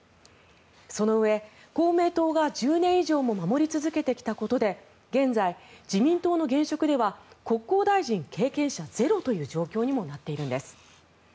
そのうえ、公明党が１０年以上も守り続けてきたことで現在、自民党の現職では国交大臣経験者ゼロということにもなっているんです。